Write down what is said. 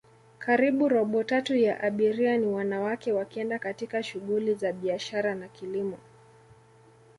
karibu robo tatu ya abiria ni wanawake wakienda katika shuguli za biashara na kilimo